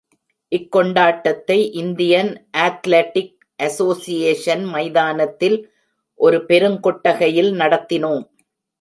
இக்கொண்டாட்டத்தை Indian athletic association மைதானத்தில் ஒரு பெருங்கொட்டகையில் நடத்தினோம்.